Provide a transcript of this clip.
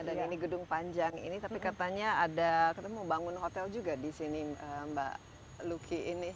dan ini gedung panjang ini tapi katanya ada mau bangun hotel juga disini mbak lucky ini